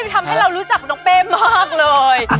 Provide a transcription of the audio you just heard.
ทำให้เรารู้จักน้องเป้มากเลย